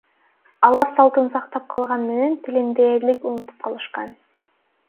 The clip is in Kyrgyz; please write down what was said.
Алар салтын сактап калган менен, тилин дээрлик унутуп калышкан.